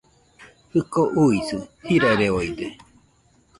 Jɨko uisɨ jirareoide